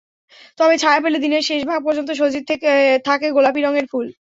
তবে ছায়া পেলে দিনের শেষ ভাগ পর্যন্ত সজীব থাকে গোলাপি রঙের ফুল।